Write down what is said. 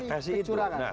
untuk mengatasi kecurangan